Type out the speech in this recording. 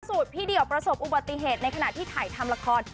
พี่เดี่ยวประสบอุบัติเหตุในขณะที่ถ่ายทำละคร